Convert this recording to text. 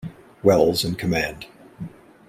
Wells in command.